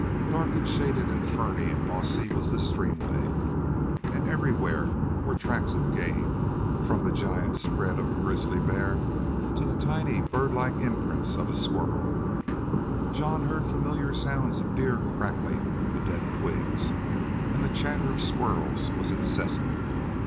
Dark and shaded and ferny and mossy was this streamway; and everywhere were tracks of game, from the giant spread of a grizzly bear to the tiny, birdlike imprints of a squirrel. Jean heard familiar sounds of deer crackling the dead twigs; and the chatter of squirrels was incessant.